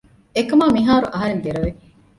އެކަމާ މިހާރު އަހަރެން ދެރަވެ